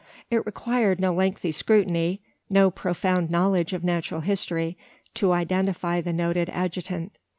It required no lengthened scrutiny no profound knowledge of natural history, to identify the noted adjutant.